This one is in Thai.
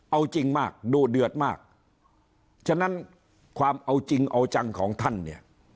เอาจริงมากดูเดือดมากฉะนั้นความเอาจริงเอาจังของท่านเนี่ย